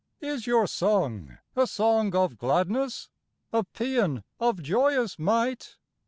Is your song a song of gladness? a paean of joyous might?